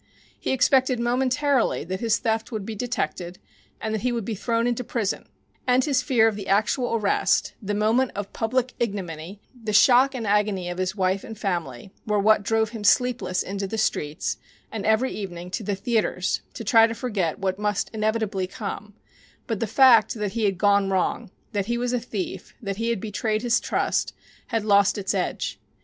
He expected momentarily that his theft would be detected and that he would be thrown into prison, and the fear of the actual arrest, the moment of public ignominy, the shock and agony of his wife and family, were what drove him sleepless into the streets, and every evening to the theatres to try to forget what must inevitably come; but the fact that he had "gone wrong," that he was a thief, that he had betrayed his trust, had lost its edge.